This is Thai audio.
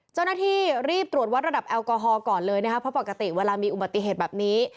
เจ้าหน้าที่รีบตรวจวัดระดับแอลกอฮอลก่อนเลยนะครับเพราะปกติเวลามีอุบัติเหตุแบบนี้